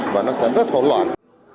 và nó sẽ rất khó loạn